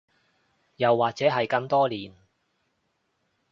又或者係更多年